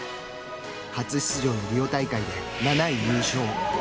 初出場のリオ大会で７位入賞。